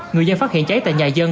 người dân phát hiện cháy tại nhà dân